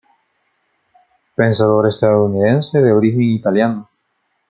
Pensador estadounidense, de origen italiano.